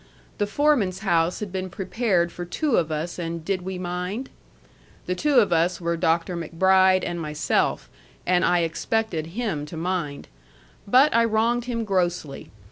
The foreman's house had been prepared for two of us, and did we mind? The two of us were Dr. MacBride and myself; and I expected him to mind. But I wronged him grossly.